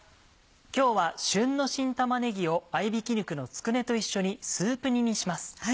今日は旬の新玉ねぎを合びき肉のつくねと一緒にスープ煮にします。